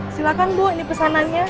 silakan bu ini pesanannya